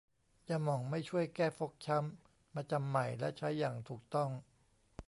ยาหม่องไม่ช่วยแก้ฟกช้ำ มาจำใหม่และใช้อย่างถูกต้อง